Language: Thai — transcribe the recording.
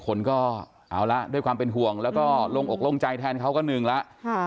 คนก็เอาละด้วยความเป็นห่วงแล้วก็ลงอกลงใจแทนเขาก็หนึ่งแล้ว